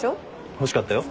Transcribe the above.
欲しかったよ。